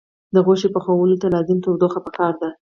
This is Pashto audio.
د غوښې پخولو ته لازمي تودوخه پکار ده.